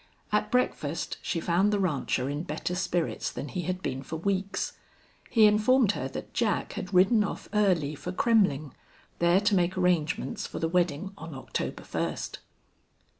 At breakfast she found the rancher in better spirits than he had been for weeks. He informed her that Jack had ridden off early for Kremmling, there to make arrangements for the wedding on October first.